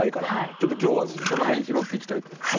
ちょっと今日はその辺拾っていきたいと思います。